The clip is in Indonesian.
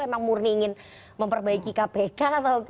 emang murni ingin memperbaiki kpk atau